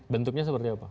bentuknya seperti apa